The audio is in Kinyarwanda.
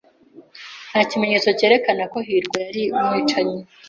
Nta kimenyetso cyerekana ko hirwa yari umwicanyi.